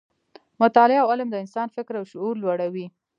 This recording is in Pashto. مطالعه او علم د انسان فکر او شعور لوړوي.